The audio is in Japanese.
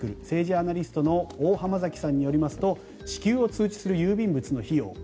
政治アナリストの大濱崎さんによりますと支給を通知する郵便物の費用